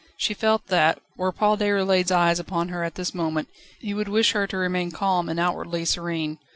She felt that, were Paul Déroulède's eyes upon her at this moment, he would wish her to remain calm and outwardly serene.